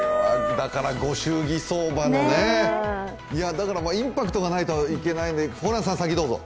御祝儀相場のね、だからインパクトがないといけないのでホランさん、先どうぞ。